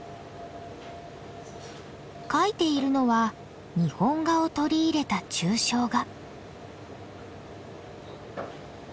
描いているのは日本画を取り入れた抽象画。